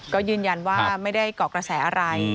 ก็ยืนยันว่าไม่ได้เกาะกระแสอะไร